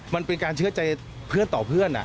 มันเป็นการเชื่อใจเพื่อนต่อเพื่อน